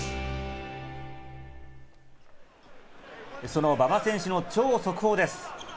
その馬場選手の超速報です。